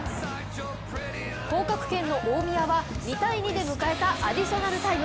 降格圏の大宮は２−２で迎えたアディショナルタイム。